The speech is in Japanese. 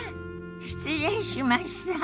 失礼しました。